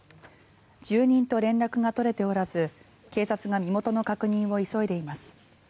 住人と連絡が取れておらず警察が身元の確認を急いでいます。